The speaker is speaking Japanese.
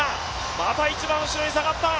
また後ろに下がった。